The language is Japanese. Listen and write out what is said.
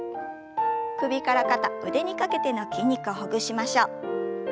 首から肩腕にかけての筋肉をほぐしましょう。